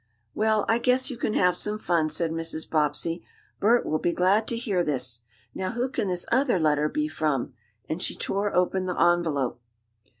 "Well, I guess you can have some fun," said Mrs. Bobbsey. "Bert will be glad to hear this. Now, who can this other letter be from?" and she tore open the envelope.